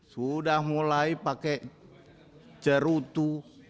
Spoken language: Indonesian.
sudah mulai pakai cerutu